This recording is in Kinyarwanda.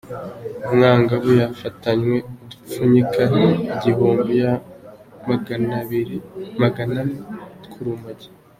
Umwangavu yafatanywe udupfunyika Igihumbi Maganinani tw’urumogi